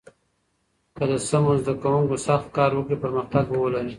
که د سمو زده کوونکو سخت کار وکړي، پرمختګ به ولري.